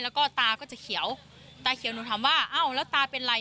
แล้วก็ตาก็จะเขียวตาเขียวหนูถามว่าเอ้าแล้วตาเป็นไร